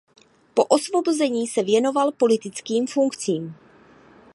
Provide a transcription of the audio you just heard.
Po osvobození se věnoval politickým funkcím.